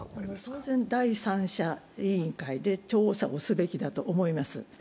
当然、第三者委員会で調査をすべきだと思います。